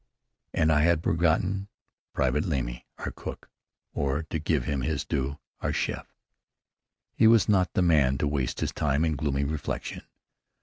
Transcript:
And I had forgotten Private Lemley, our cook, or, to give him his due, our chef. He was not the man to waste his time in gloomy reflection.